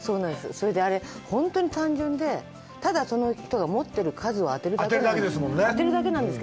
それであれ、本当に単純で、ただ、その人が持ってる数を当てるだけなんです。